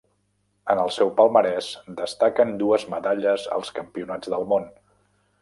En el seu palmarès destaquen dues medalles als Campionats del Món.